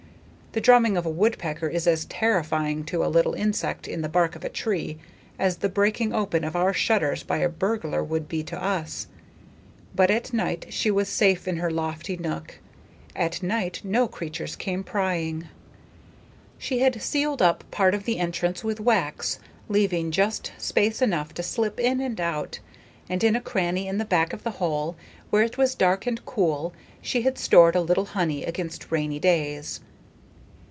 The drumming of a woodpecker is as terrifying to a little insect in the bark of a tree as the breaking open of our shutters by a burglar would be to us. But at night she was safe in her lofty nook. At night no creatures came prying. She had sealed up part of the entrance with wax, leaving just space enough to slip in and out; and in a cranny in the back of the hole, where it was dark and cool, she had stored a little honey against rainy days.